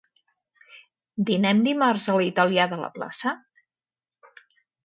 Dinem dimarts a l'italià de la plaça?